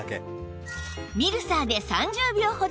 ミルサーで３０秒ほど